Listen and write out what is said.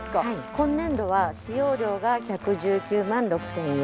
今年度は使用料が１１９万６０００円。